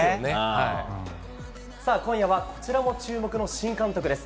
今夜は、こちらも注目の新監督です。